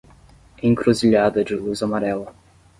Encruzilhada de luz amarela